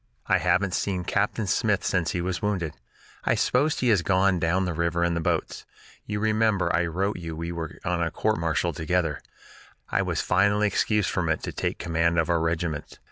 "I haven't seen Captain Smith since he was wounded. I suppose he has gone down the river in the boats. You remember I wrote you we were on a court martial together; I was finally excused from it to take command of our regiment.